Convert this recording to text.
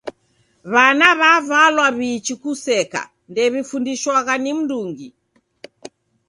W'ana w'avalwa w'iichi kuseka ndew'ifundishwagha ni mndungi.